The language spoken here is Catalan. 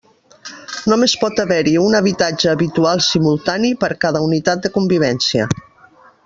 Només pot haver-hi un habitatge habitual simultani per a cada unitat de convivència.